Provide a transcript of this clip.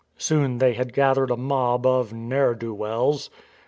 Soon they had gathered a mob of ne'er do wells.